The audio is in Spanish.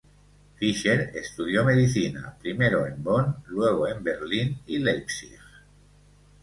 Fischer estudió medicina, primero en Bonn, luego en Berlín y Leipzig.